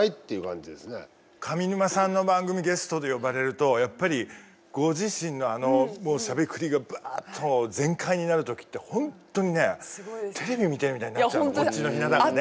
上沼さんの番組ゲストで呼ばれるとやっぱりご自身のあのしゃべくりがバッと全開になる時って本当にねテレビ見てるみたいになっちゃうこっちのひな壇がね。